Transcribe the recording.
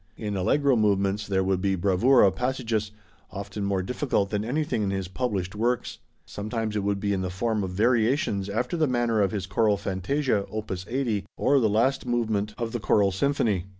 In Allegro movements there would be bravura passages, often more difficult than anything in his published works. Sometimes it would be in the form of variations after the manner of his Choral Fantasia, op. 80, or the last movement of the Choral Symphony.